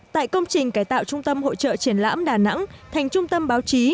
tại công trình cải tạo trung tâm hội trợ triển lãm đà nẵng thành trung tâm báo chí